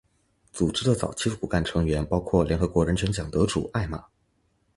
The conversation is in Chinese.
组织的早期骨干成员包括联合国人权奖得主艾玛。